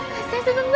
kasih aja dengan gue